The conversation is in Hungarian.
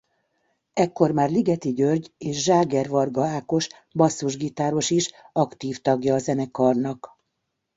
Ekkor már Ligeti György és Zságer-Varga Ákos basszusgitáros is aktív tagja a zenekarnak.